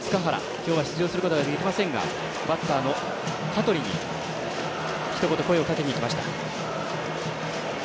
今日は出場することができませんがバッターの香取にひと言、声をかけに行きました。